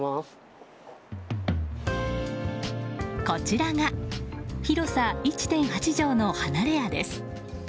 こちらが広さ１．８畳の離れ家です。